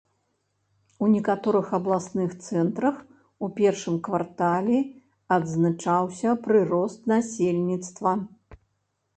У некаторых абласных цэнтрах у першым квартале адзначаўся прырост насельніцтва.